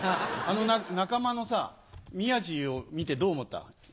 仲間のさ宮治を見てどう思った？